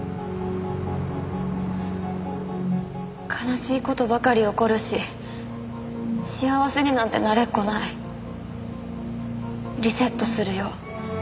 「悲しい事ばかり起こるし幸せになんてなれっこない」「リセットするよ」